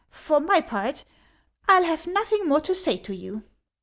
For my part, I '11 have nothing more to say to you."